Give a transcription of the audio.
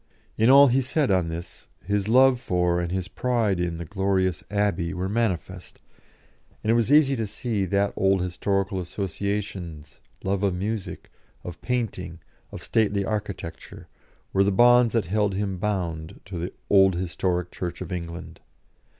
In all he said on this his love for and his pride in the glorious Abbey were manifest, and it was easy to see that old historical associations, love of music, of painting, of stately architecture, were the bonds that held him bound to the "old historic Church of England."